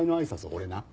俺な。